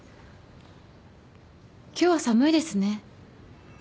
今日は寒いですね。